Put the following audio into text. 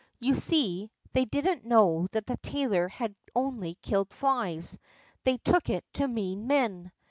You see, they didn't know that the tailor had only killed flies; they took it to mean men.